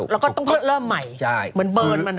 แล้วก็ต้องเริ่มใหม่เหมือนเบิร์นมัน